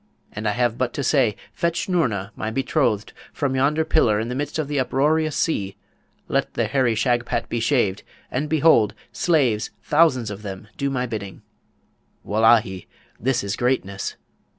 and I have but to say, Fetch Noorna, my betrothed, from yonder pillar in the midst of the uproarious sea! Let the hairy Shagpat be shaved! and behold, slaves, thousands of them, do my bidding! Wullahy, this is greatness!'